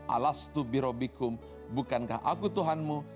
alastu birobikum bukankah aku tuhanmu